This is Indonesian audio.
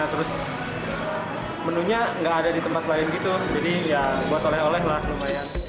terus menunya nggak ada di tempat lain gitu jadi ya buat oleh oleh lah lumayan